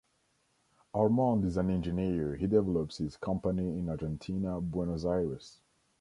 Armand is an engineer, he develops his company in Argentina, Buenos Aires.